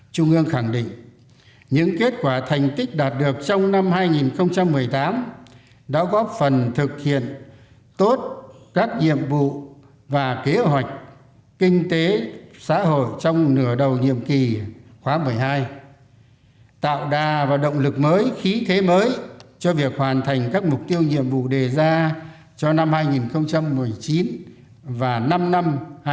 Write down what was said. trung ương khẳng định những kết quả thành tích đạt được trong năm hai nghìn một mươi tám đã góp phần thực hiện tốt các nhiệm vụ và kế hoạch kinh tế xã hội trong nửa đầu nhiệm kỳ khóa một mươi hai tạo đà và động lực mới khí thế mới cho việc hoàn thành các mục tiêu nhiệm vụ đề ra cho năm hai nghìn một mươi chín và năm năm hai nghìn một mươi sáu hai nghìn hai mươi